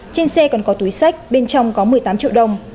trên xe còn có túi sách bên trong có một mươi tám triệu đồng